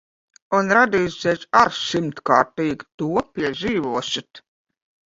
Un radīsies ar simtkārtīgi. To piedzīvosit.